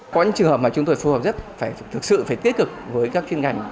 có những trường hợp mà chúng tôi phù hợp rất thực sự phải kết cực với các chuyên ngành